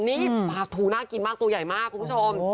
นี่ปลาทูน่ากินมากตัวใหญ่มากคุณผู้ชม